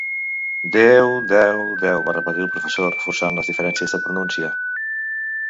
Déu deu deu —va repetir el professor, reforçant les diferències de pronúncia.